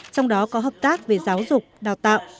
trong đó có hợp tác về giáo dục đào tạo